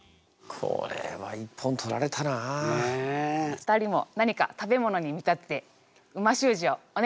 ２人も何か食べ物に見立てて美味しゅう字をお願いします。